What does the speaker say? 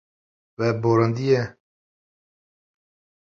Wê borandiye.